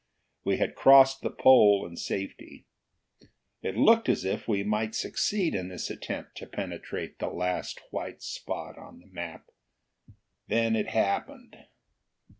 We had crossed the pole in safety. It looked as if we might succeed in this attempt to penetrate the last white spot on the map. Then it Happened.